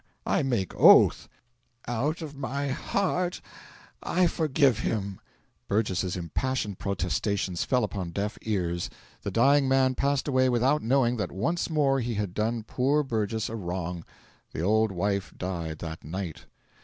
I make oath " "Out of my heart I forgive him." Burgess's impassioned protestations fell upon deaf ears; the dying man passed away without knowing that once more he had done poor Burgess a wrong. The old wife died that night.